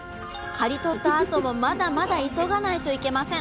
刈り取ったあともまだまだ急がないといけません。